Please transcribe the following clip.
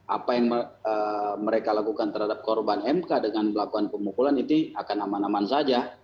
apa yang mereka lakukan terhadap korban mk dengan melakukan pemukulan itu akan aman aman saja